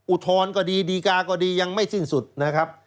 อุทธรณ์ก็ดีดีกาก็ดียังไม่สิ้นสุดนะครับ